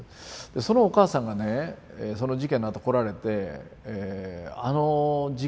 そのお母さんがねその事件のあと来られてあの事件はね